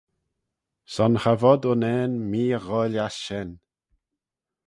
Son cha vod unnane mee y ghoaill ass shen.